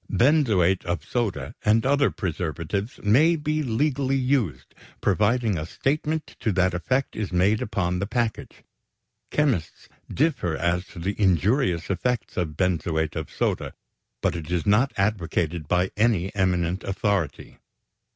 Benzoate of soda and other preservatives may be legally used, provided a statement to that effect is made upon the package. Chemists differ as to the injurious effect of benzoate of soda, but it is not advocated by any eminent authority.